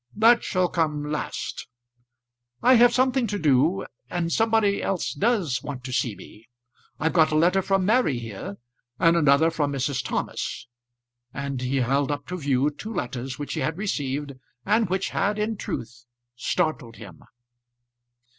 "That shall come last. I have something to do, and somebody else does want to see me. I've got a letter from Mary here, and another from Mrs. Thomas;" and he held up to view two letters which he had received, and which had, in truth, startled him.